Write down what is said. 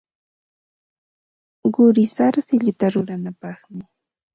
Quri sarsilluta ruranapaqmi.